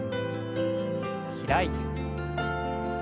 開いて。